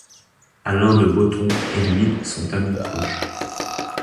Alain de Botton et lui sont amis proches.